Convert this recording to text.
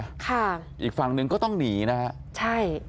แล้วอีกฝั่งนึงก็ต้องหนีนะคะ